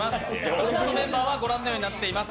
それぞれのメンバーはご覧のようになっています。